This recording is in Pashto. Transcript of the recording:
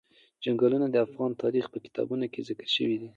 چنګلونه د افغان تاریخ په کتابونو کې ذکر شوی دي.